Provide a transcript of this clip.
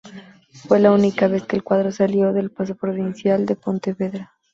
Fue la única vez que el cuadro salió del Pazo Provincial de Pontevedra.